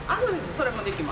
それもできます。